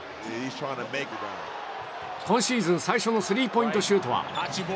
今シーズン最初のスリーポイントシュートは。